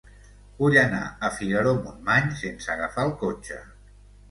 Vull anar a Figaró-Montmany sense agafar el cotxe.